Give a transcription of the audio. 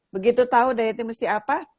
begitu tahu dayatnya mesti apa